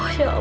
oh ya allah